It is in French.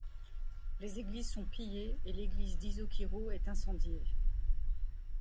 Les églises sont pillées et l'église d'Isokyrö est incendiée.